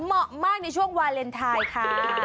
เหมาะมากในช่วงวาเลนไทยค่ะ